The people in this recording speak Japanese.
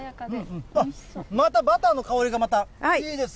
あっ、またバターの香りがまたいいです。